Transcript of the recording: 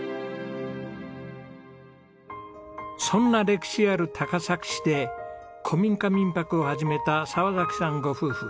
そんな歴史ある高崎市で古民家民泊を始めた澤さんご夫婦。